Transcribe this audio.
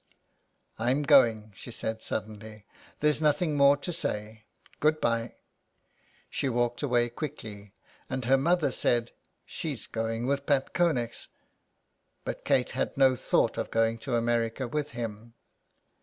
" I'm going," she said suddenly, ^' there's nothing more to say. Good bye." She walked away quickly, and her mother said *' she's going with Pat Connex." But Kate had no thought of going to America with him.